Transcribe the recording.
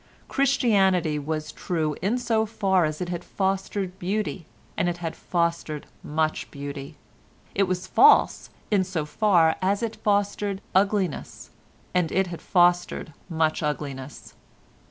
Christianity was true in so far as it had fostered beauty, and it had fostered much beauty. It was false in so far as it fostered ugliness, and it had fostered much ugliness.